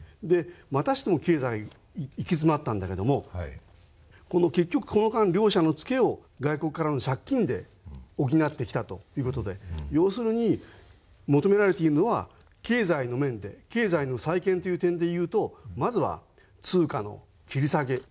でまたしても経済行き詰まったんだけれども結局この間両者の付けを外国からの借金で補ってきたという事で要するに求められているのは経済の面で経済の再建という点でいうとまずは通貨の切り下げ